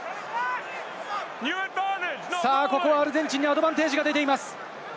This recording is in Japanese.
ここはアルゼンチンにアドバンテージが出ています。